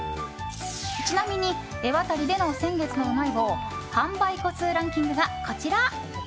ちなみに、エワタリでの先月のうまい棒販売個数ランキングがこちら。